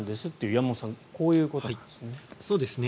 山本さん、こういうことですね。